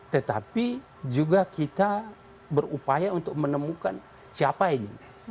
tetapi juga kita berupaya untuk menemukan siapa ini